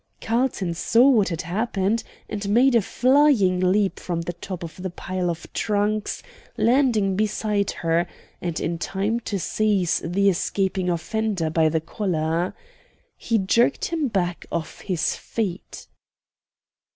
Carlton saw what had happened, and made a flying leap from the top of the pile of trunks, landing beside her, and in time to seize the escaping offender by the collar. He jerked him back off his feet.